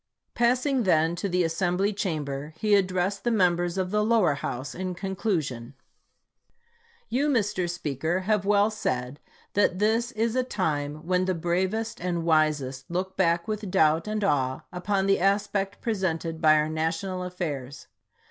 Passing then to the Assembly Chamber, he ad dressed the members of the lower house in con clusion :... You, Mr. Speaker, have well said that this is a time when the bravest and wisest look back with doubt and awe upon the aspect presented by our national af fairs.